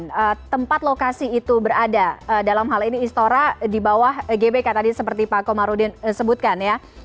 dan tempat lokasi itu berada dalam hal ini istora di bawah gbk tadi seperti pak komarudin sebutkan ya